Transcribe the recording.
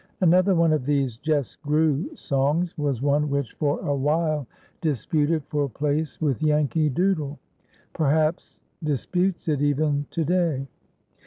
Another one of these "jes' grew" songs was one which for a while disputed for place with Yankee Doodle; perhaps, disputes it even to day.